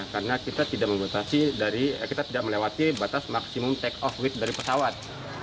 karena kita tidak melewati batas maksimum take off weight dari pesawat